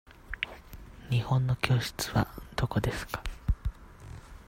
日本語の教室はどこですか。